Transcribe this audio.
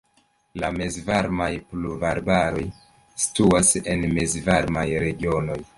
La mezvarmaj pluvarbaroj situas en mezvarmaj regionoj.